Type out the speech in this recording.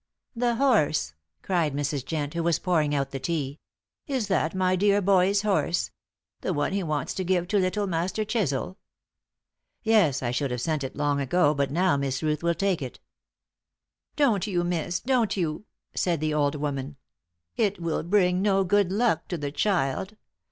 "The horse!" cried Mrs. Jent, who was pouring out the tea. "Is that my dear boy's horse the one he wants to give to little Master Chisel?" "Yes, I should have sent it long ago, but now Miss Ruth will take it." "Don't you, miss, don't you!" said the old woman. "It will bring no good luck to the child.